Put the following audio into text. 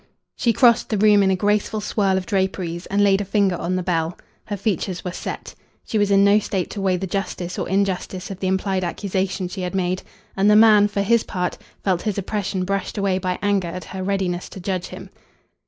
She crossed the room in a graceful swirl of draperies, and laid a finger on the bell. Her features were set. She was in no state to weigh the justice or injustice of the implied accusation she had made. And the man, for his part, felt his oppression brushed away by anger at her readiness to judge him.